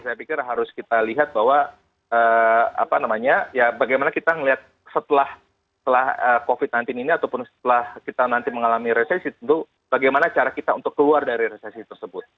saya pikir harus kita lihat bahwa bagaimana kita melihat setelah covid sembilan belas ini ataupun setelah kita nanti mengalami resesi tentu bagaimana cara kita untuk keluar dari resesi tersebut